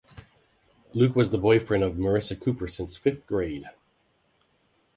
Luke was the boyfriend of Marissa Cooper since fifth grade.